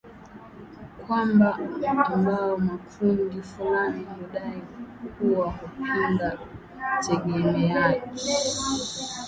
kwamba ambayo makundi fulani hudai kuwa hupinga utegemeaj